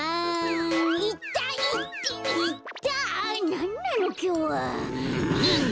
なんなのきょうは。